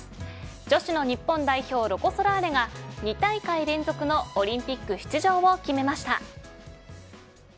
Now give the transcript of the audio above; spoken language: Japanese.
女子の日本代表ロコ・ソラーレが２大会連続のオリンピック出場を決めました。